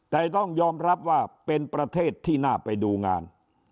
แต่ต้องยอมรับว่าเป็นประเทศที่น่าไปดูงาน